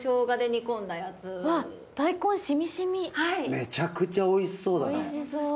めちゃくちゃおいしそうだな。